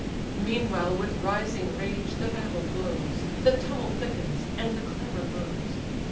Meanwhile with rising rage the battle glows, The tumult thickens, and the clamour grows.